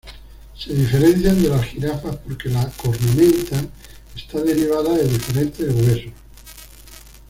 Se diferencian de las jirafas porque la cornamenta está derivada de diferentes huesos.